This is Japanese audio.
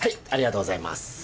ありがとうございます。